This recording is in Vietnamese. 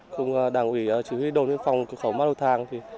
cùng đảng ủy chỉ huy đồn biên phòng cửa khẩu ma thàng